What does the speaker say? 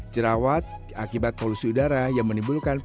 jerawat akibat polusi udara yang menimbulkan penyakit